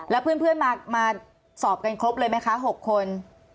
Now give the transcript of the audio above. แล้วเพื่อนมาสอบกันครบเลยไหมคะ๖คน